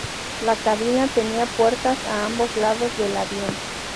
La cabina tenía puertas a ambos lados del avión.